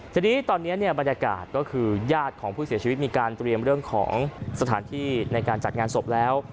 ทีนี้ตอนนี้เนี่ยบรรยากาศก็คือญาติของผู้เสียชีวิตมีการเตรียมเรื่องของสถานที่ในการจัดงานศพแล้ว